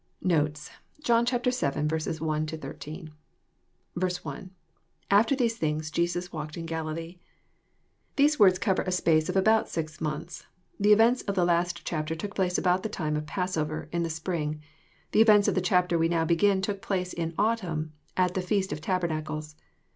Notes. John vn. 1—13. 1. — lAfier these things Jesus walked in Galilee,'] These words cover a space of abo ut six months. The events of^lie last chapter took place aDout the time of the Passovei%Tirspring. The events of the chapter wenoovTbegln took place in autumn, at the feast of tabernacles.